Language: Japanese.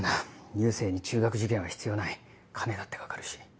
佑星に中学受験は必要ない金だってかかるし。